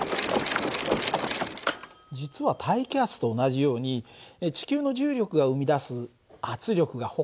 実は大気圧と同じように地球の重力が生み出す圧力がほかにもあるんだよね。